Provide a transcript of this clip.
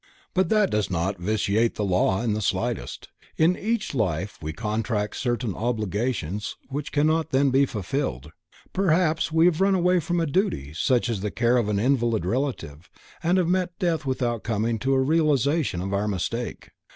But that does not vitiate the law in the slightest, in each life we contract certain obligations which cannot then be fulfilled. Perhaps we have run away from a duty such as the care of an invalid relative and have met death without coming to a realization of our mistake.